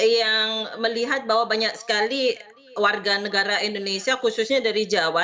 yang melihat bahwa banyak sekali warga negara indonesia khususnya dari jawa